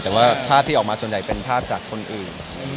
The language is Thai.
แต่ว่าภาพที่ออกมาส่วนใหญ่เป็นภาพจากคนอื่น